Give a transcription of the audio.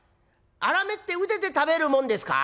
「あらめってうでて食べるもんですか？」。